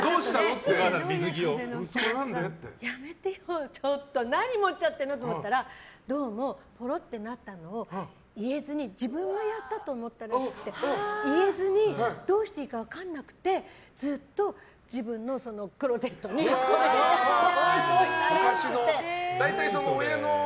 やめてよ、ちょっと何持っちゃってんの？って思ったらどうもポロってなったのを言えずに自分がやったと思ったらしくて言えずにどうしていいか分からなくてずっと自分のクローゼットにこれを置いといたらしくて。